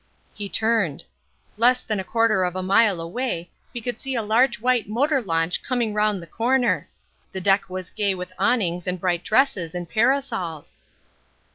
He turned. Less than a quarter of a mile away we could see a large white motor launch coming round the corner. The deck was gay with awnings and bright dresses and parasols.